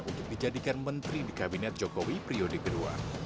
untuk dijadikan menteri di kabinet jokowi priode kedua